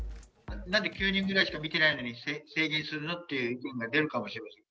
なんで９人ぐらいしか診てないのに制限するのっていう意見が出るかもしれません。